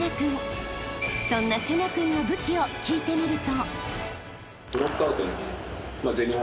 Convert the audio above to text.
［そんな聖成君の武器を聞いてみると］